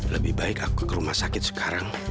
lebih baik aku ke rumah sakit sekarang